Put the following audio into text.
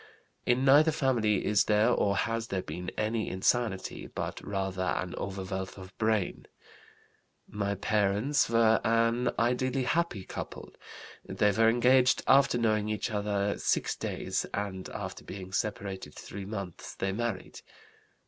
"In neither family is there or has there been any insanity, but rather an overwealth of brain. "My parents were an ideally happy couple. They were engaged after knowing each other six days, and after being separated three months they married.